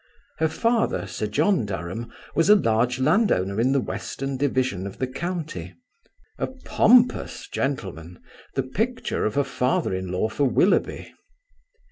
Her father, Sir John Durham, was a large landowner in the western division of the county; a pompous gentleman, the picture of a father in law for Willoughby.